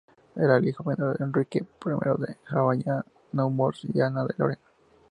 Era el hijo menor de Enrique I de Saboya-Nemours y Ana de Lorena.